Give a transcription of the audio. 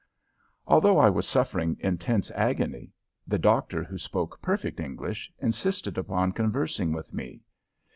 Although I was suffering intense agony, the doctor, who spoke perfect English, insisted upon conversing with me.